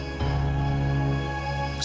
saya adalah sahabat kamu